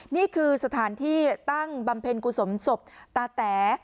นี่คือสถานที่ตั้งบำเพ็ญกุศลศพตาแต๋